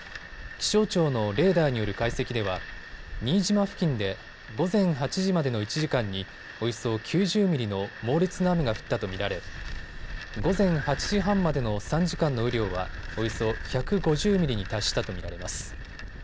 気象庁のレーダーによる解析では新島付近で午前８時までの１時間におよそ９０ミリの猛烈な雨が降ったと見られ午前８時半までの３時間の雨量はおよそ１５０ミリに達したと見られます。